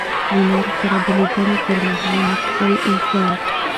د نور سره د لیدني پر مهال مسکی واوسئ.